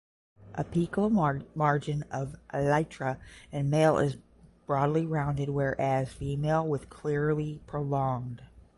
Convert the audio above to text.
Apical margin of elytra in male is broadly rounded whereas female with clearly prolonged.